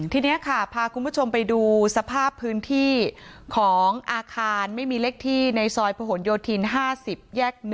ทีนี้ค่ะพาคุณผู้ชมไปดูสภาพพื้นที่ของอาคารไม่มีเลขที่ในซอยผนโยธิน๕๐แยก๑